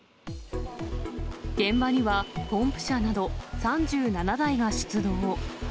現場にはポンプ車など３７台が出動。